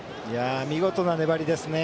見事な粘りですね。